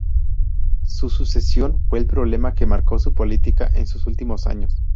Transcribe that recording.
Su sucesión fue el problema que marcó su política en sus últimos años.